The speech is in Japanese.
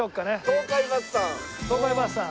東海バスさん。